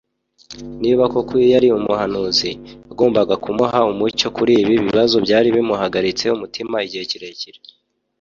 Niba koko uyu yari umuhanuzi, yagombaga kumuha umucyo kur’ibi bibazo byari bimuhagaritse umutima igihe kirekire.